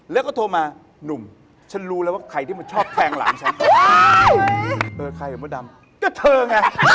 แล้วก็โทรมาหนุ่มฉันรู้แล้วว่าใครถูกชอบแพลงหลานฉัน